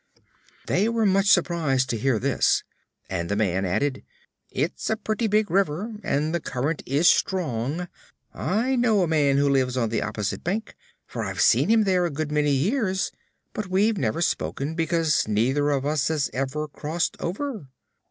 They were much surprised to hear this, and the man added: "It's a pretty big river, and the current is strong. I know a man who lives on the opposite bank, for I've seen him there a good many years; but we've never spoken because neither of us has ever crossed over."